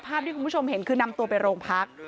ภาพที่คุณผู้ชมเห็นคือนำตัวไปโรงพัก